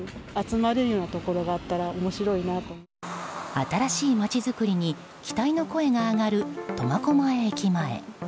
新しい街づくりに期待の声が上がる苫小牧駅前。